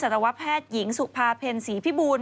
ตวแพทย์หญิงสุภาเพ็ญศรีพิบูรณ